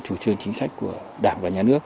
chủ trương chính sách của đảng và nhà nước